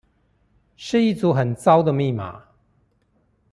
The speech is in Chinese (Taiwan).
是一組很糟的密碼